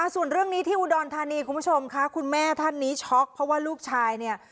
ส่วนเรื่องนี้ที่อุดรธานีคุณผู้ชมค่ะคุณแม่ท่านนี้ช็อกเพราะว่าลูกชายเนี่ย